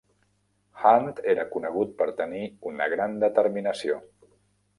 Hunt era conegut per tenir una gran determinació.